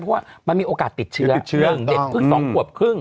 เพราะว่ามันมีโอกาสติดเชื้อ๑เด็กเพิ่ง๒ขวบครึ่ง